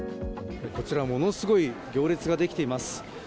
こちら、ものすごい行列ができています。